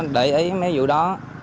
để ý mấy vụ đó